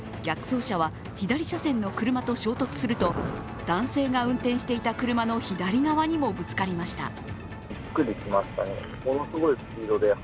逆走車は左車線の車と衝突すると男性が運転していた車の左側にもぶつかりました。